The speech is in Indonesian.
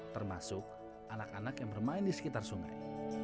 termasuk anak anak yang bermain di sekitar sungai